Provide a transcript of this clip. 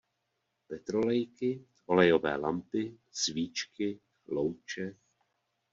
Petrolejky, olejové lampy, svíčky, louče...